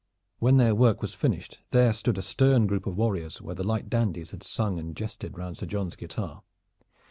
When their work was finished, there stood a stern group of warriors where the light dandies had sung and jested round Sir John's guitar.